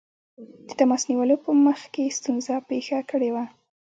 د تماس نیولو په مخ کې ستونزه پېښه کړې وه.